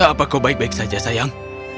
apa kau baik baik saja sayang